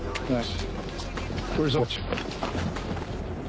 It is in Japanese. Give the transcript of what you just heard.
よし。